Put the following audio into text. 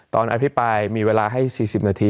ตอนอธิบายมีเวลาให้๔๐นาที